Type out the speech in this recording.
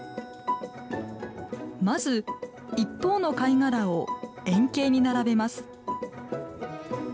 まず一方の貝殻を円形に並べます。